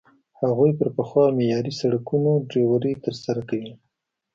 هغوی پر پخو او معیاري سړکونو ډریوري ترسره کوي.